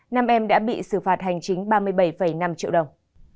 nam em đã bị xử phạt hành chính ba mươi bảy năm triệu đồng